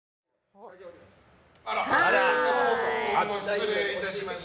失礼いたしました。